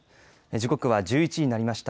時刻は１１時になりました。